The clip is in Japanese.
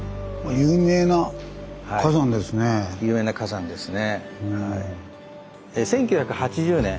有名な火山ですね。